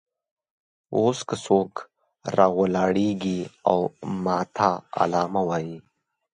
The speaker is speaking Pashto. اوس که څوک راولاړېږي او ماته علامه وایي.